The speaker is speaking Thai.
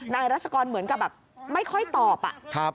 นายรัชกรเหมือนกับแบบไม่ค่อยตอบ